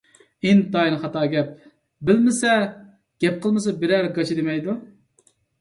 ئىنتايىن خاتا گەپ. بىلمىسە، گەپ قىلمىسا بىرەرى گاچا دېمەيدۇ.